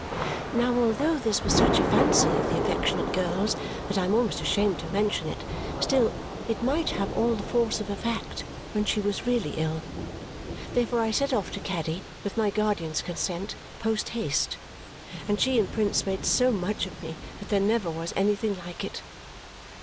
Now although this was such a fancy of the affectionate girl's that I am almost ashamed to mention it, still it might have all the force of a fact when she was really ill. Therefore I set off to Caddy, with my guardian's consent, post haste; and she and Prince made so much of me that there never was anything like it.